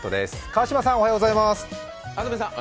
安住さん、おはようございます。